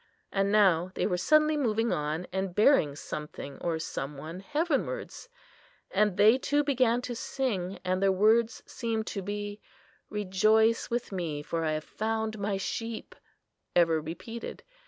And now they were suddenly moving on, and bearing something or some one, heavenwards; and they too began to sing, and their words seemed to be, "Rejoice with Me, for I have found My sheep," ever repeated.